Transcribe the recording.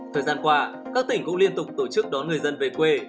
thời gian qua các tỉnh cũng liên tục tổ chức đón người dân về quê